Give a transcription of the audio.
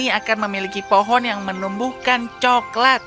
ini akan memiliki pohon yang menumbuhkan coklat